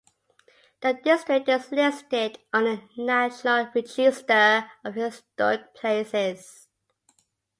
The district is listed on the National Register of Historic Places.